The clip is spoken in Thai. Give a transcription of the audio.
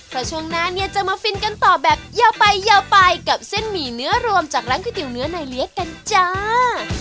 เพราะช่วงหน้าเนี่ยจะมาฟินกันต่อแบบยาวไปยาวไปกับเส้นหมี่เนื้อรวมจากร้านก๋วเนื้อในเลี้ยกันจ้า